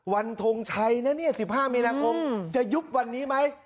ทงชัยนะเนี่ย๑๕มีนาคมจะยุบวันนี้ไหม